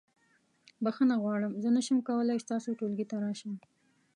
بخښنه غواړم زه نشم کولی ستاسو ټولګي ته راشم.